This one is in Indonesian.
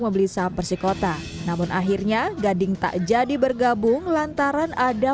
membeli saham persikota namun akhirnya gading tak jadi bergabung lantaran ada